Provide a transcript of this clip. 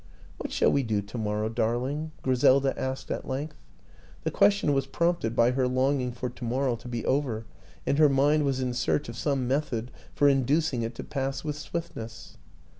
"What shall we do to morrow, darling?" Griselda asked at length. The question was prompted by her longing for to morrow to be over and her mind was in search of some method for inducing it to pass with swiftness.